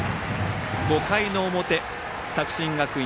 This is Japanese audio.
５回の表、作新学院